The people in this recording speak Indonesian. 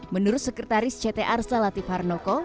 menurut sekretaris ct arsa latif harnoko